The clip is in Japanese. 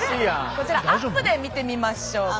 こちらアップで見てみましょう。